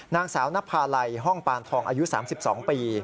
นางสาวนภาลัยห้องปานทองอายุ๓๒ปี